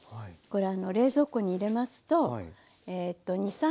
これ冷蔵庫に入れますとえと２３日。